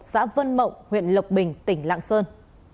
xã vân mộng huyện lộc bình tỉnh lạng sơn